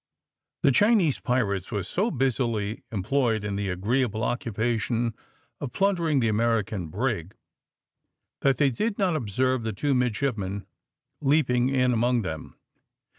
The Chinese pirates were so busily employed in the agreeable occupation of plundering the American brig, that they did not observe the two midshipmen leaping in among them.